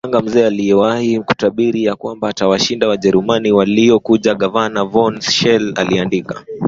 alimwua mganga mzee aliyewahi kutabiri ya kwamba atawashinda Wajerumani waliokujaGavana von Schele aliandika